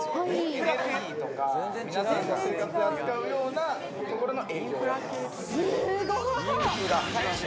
エネルギーとか、皆さんの生活で扱うようなところの営業。